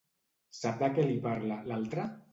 Sap de què li parla, l'altre?